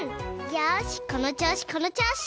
よしこのちょうしこのちょうし！